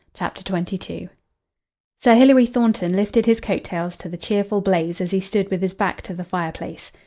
CHAPTER XXII Sir Hilary Thornton lifted his coat tails to the cheerful blaze as he stood with his back to the fireplace.